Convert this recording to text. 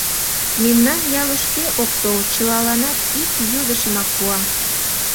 Мемнан ялыш кӧ ок тол, чылаланат ик йодышымак пуа.